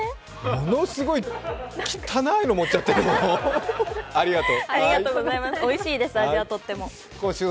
ものすごい汚っいの、持っちゃってるよ、ありがとう。